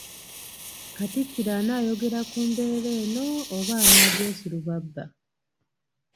Katikkiro anaayogera ku mbeera eno oba anaagyesulubabba?